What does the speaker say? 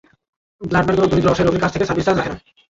Bloodman কোনো দরিদ্র অসহায় রোগীর কাছ থেকে সার্ভিস চার্জ রাখে না।